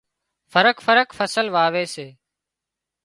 فرق فرق فصل واوي سي